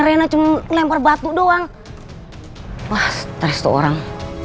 rina cuman lempar batu doang bah stress orang